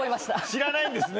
知らないんですね